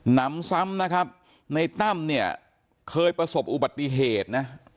นำซ้ำนะครับในตั้มเนี่ยเคยประสบอุบัติเหตุนะ